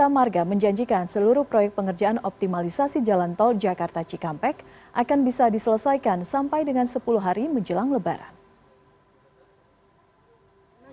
jamarga menjanjikan seluruh proyek pengerjaan optimalisasi jalan tol jakarta cikampek akan bisa diselesaikan sampai dengan sepuluh hari menjelang lebaran